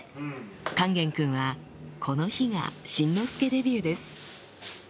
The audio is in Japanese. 勸玄君はこの日が新之助デビューです